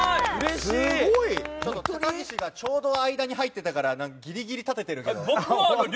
高岸がちょうど間に入ってたからギリギリ立ててるけど。